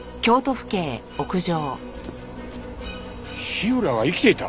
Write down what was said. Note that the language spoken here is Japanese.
火浦が生きていた？